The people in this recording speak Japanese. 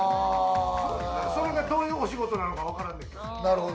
それがどういうお仕事なのかわからないけど。